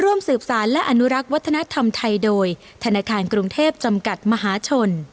ร่วมสืบสารและอนุรักษ์วัฒนธรรมไทยโดยธนาคารกรุงเทพจำกัดมหาชน